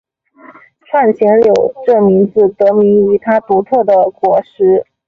串钱柳这名字得名于它独特的果实。